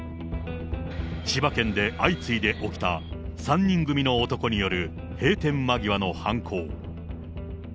千葉県で相次いで起きた３人組の男による閉店間際の犯行。